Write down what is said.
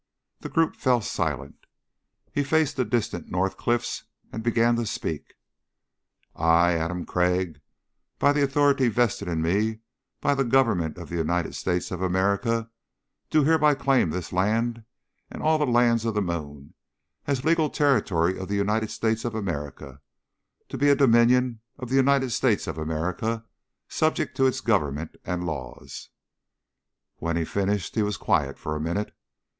The group fell silent. He faced the distant northern cliffs and began to speak: "I, Adam Crag, by the authority vested in me by the Government of the United States of America, do hereby claim this land, and all the lands of the moon, as legal territory of the United States of America, to be a dominion of the United States of America, subject to its Government and laws." When he finished, he was quiet for a minute.